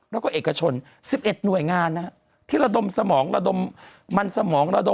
แล้วก็เอกชนสิบเอ็ดหน่วยงานนะฮะที่ระดมสมองระดมมันสมอง